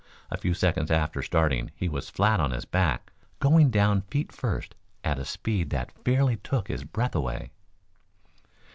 A few seconds after starting he was flat on his back, going down feet first at a speed that fairly took his breath away.